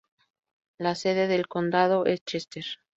La sede del condado es Chester.